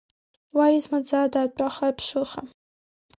Уа измаӡада атәаха-аԥшыха!